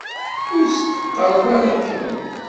Ur s-teqqareḍ ara akken.